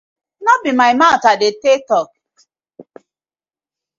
No be my mouth I dey tak tok?